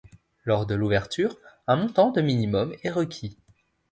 Lors de l'ouverture un montant de minimum est requis.